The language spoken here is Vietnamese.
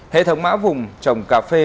hệ thống mã vùng trồng cà phê